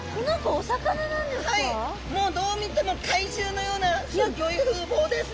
もうどう見ても怪獣のようなすギョい風貌ですね。